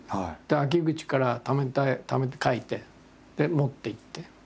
秋口からためて描いて。で持っていって。